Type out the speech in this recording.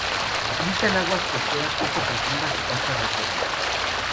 Habita en aguas costeras poco profundas y costas rocosas.